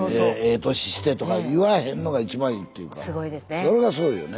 それがすごいよね。